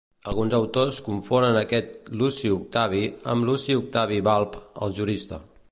Alguns autors confonen aquest Luci Octavi amb Luci Octavi Balb, el jurista.